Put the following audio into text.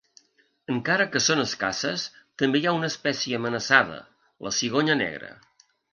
Encara que són escasses, també hi ha una espècie amenaçada, la cigonya negra.